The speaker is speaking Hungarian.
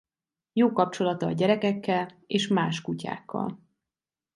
Jó kapcsolata a gyerekekkel és más kutyákkal.